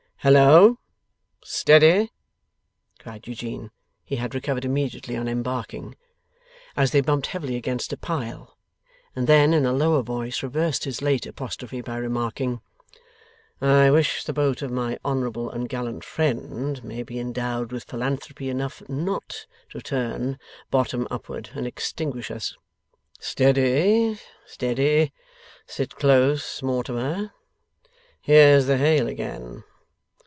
'Hallo! Steady!' cried Eugene (he had recovered immediately on embarking), as they bumped heavily against a pile; and then in a lower voice reversed his late apostrophe by remarking ['I wish the boat of my honourable and gallant friend may be endowed with philanthropy enough not to turn bottom upward and extinguish us!) Steady, steady! Sit close, Mortimer. Here's the hail again.